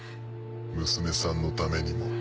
娘さんのためにも。